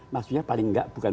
maksudnya paling tidak bukan